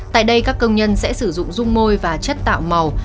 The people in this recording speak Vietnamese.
tại đây các công nhân sẽ sử dụng dung môi và chất tạo màu